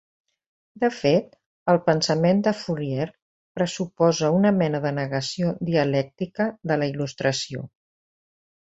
De fet, el pensament de Fourier pressuposa una mena de negació dialèctica de la Il·lustració.